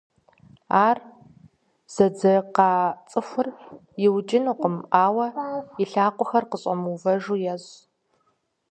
Ар зэдзэкъа цIыхур иукIынукъым, ауэ и лъакъуэхэр къыщIэмыувэжу ещI.